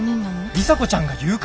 里紗子ちゃんが誘拐？